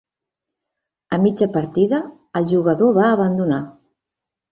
A mitja partida, el jugador va abandonar.